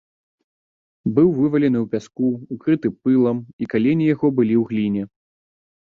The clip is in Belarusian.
Быў вывалены ў пяску, укрыты пылам, і калені яго былі ў гліне.